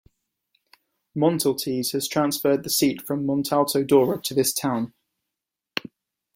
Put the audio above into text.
Montaltese has transferred the seat from Montalto Dora to this town.